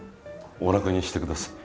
お楽にしてください。